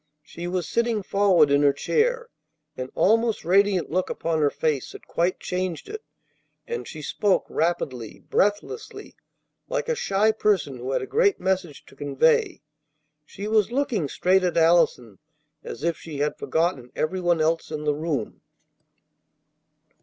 She was sitting forward in her chair, an almost radiant look upon her face that quite changed it; and she spoke rapidly, breathlessly, like a shy person who had a great message to convey. She was looking straight at Allison as if she had forgotten everyone else in the room.